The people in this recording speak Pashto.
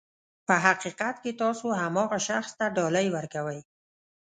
په حقیقت کې تاسو هماغه شخص ته ډالۍ ورکوئ.